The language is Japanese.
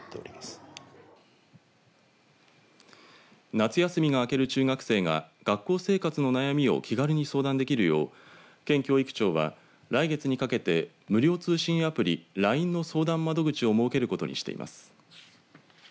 夏休みが明ける中学生が学校生活の悩みを気軽に相談できるよう県教育庁は来月にかけて無料通信アプリラインの相談窓口を設けることにしています。